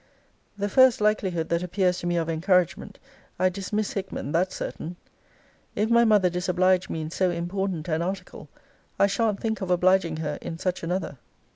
The first likelihood that appears to me of encouragement, I dismiss Hickman, that's certain. If my mother disoblige me in so important an article, I shan't think of obliging her in such another.